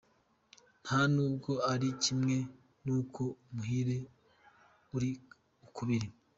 Nta n’ubwo ari kimwe kuko umuhire uri ukubiri.